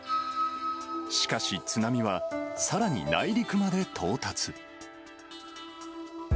しかし津波は、さらに内陸まで到達。